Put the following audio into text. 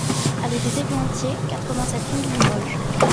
AlléE des Eglantiers, quatre-vingt-sept mille Limoges